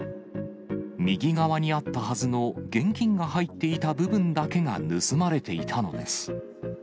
右側にあったはずの現金が入っていた部分だけが盗まれていたのです。